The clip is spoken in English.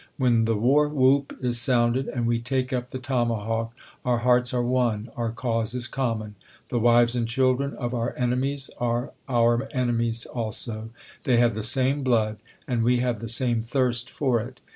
When the war whoop is sounded, and v/e take up the toma hawk, our hearts are one ; our cause is common ; the wives and children of our enemies are our enemies also ; they have the same blood, and we have the same thirst for it.